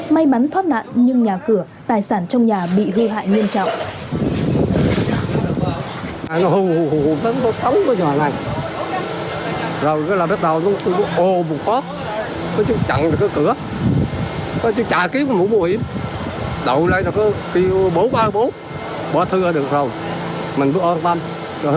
may mắn thoát nạn nhưng nhà cửa tài sản trong nhà bị hư hại nghiêm trọng